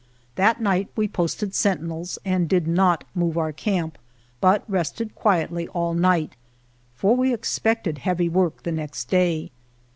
That night we posted sentinels and did not move our camp, but rested quietly all night, for we expected heavy work the next day.